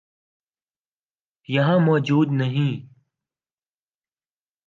یہاں موجود نہیں۔